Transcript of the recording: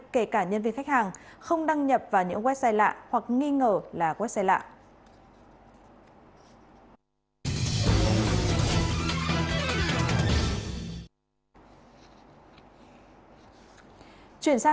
kể cả nhân viên khách hàng không đăng nhập vào những website lạ hoặc nghi ngờ là website lạ